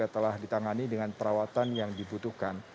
telah ditangani dengan perawatan yang dibutuhkan